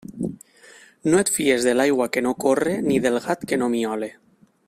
No et fies de l'aigua que no corre ni del gat que no miole.